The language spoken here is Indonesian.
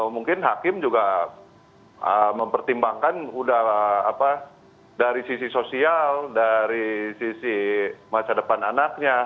mungkin hakim juga mempertimbangkan sudah dari sisi sosial dari sisi masa depan anaknya